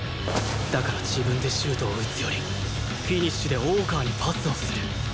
だから自分でシュートを撃つよりフィニッシュで大川にパスをする